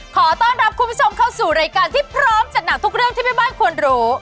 ขอต้อนรับคุณผู้ชมเข้าสู่รายการที่พร้อมจัดหนักทุกเรื่องที่แม่บ้านควรรู้